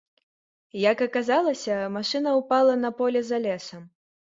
Як аказалася, машына ўпала на поле, за лесам.